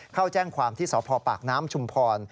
เข้าแจ้งความที่สพปากน้ำชุมพร